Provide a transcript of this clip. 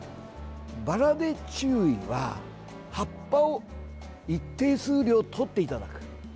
バラで注意は葉っぱを一定数量取っていただく。